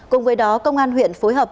cùng với đó công an huyện phối hợp